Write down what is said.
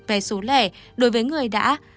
về số lẻ đối với người đã